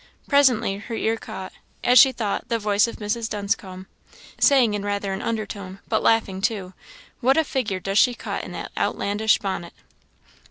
Presently her ear caught, as she thought, the voice of Mrs. Dunscombe, saying in rather an undertone, but laughing too, "What a figure she does cut in that outlandish bonnet!"